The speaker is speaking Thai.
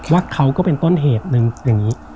ว่าเขาก็เป็นต้นเหตุหนึ่งอย่างนี้